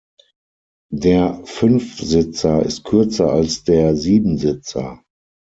Der Fünfsitzer ist kürzer als der Siebensitzer.